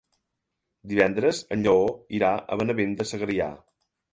Divendres en Lleó irà a Benavent de Segrià.